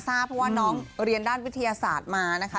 ทราบเพราะว่าน้องเรียนด้านวิทยาศาสตร์มานะคะ